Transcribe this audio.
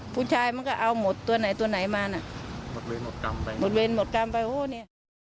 มันก็เอาหมดตัวไหนตัวไหนมาน่ะหมดเวรหมดกรรมไปหมดเวรหมดกรรมไปโอ้เนี้ย